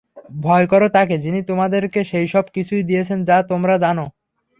ভয় কর তাকে যিনি তোমাদেরকে সেই সব কিছুই দিয়েছেন যা তোমরা জান।